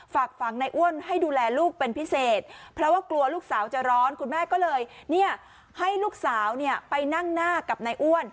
ฝากฝังในอ้วนให้ดูแลลูกเป็นพิเศษเพราะว่ากลัวลูกสาวจะร้อนคุณแม่ก็เลยเนี่ยให้ลูกสาวเนี่ยไปนั่งหน้ากับนายอ้วน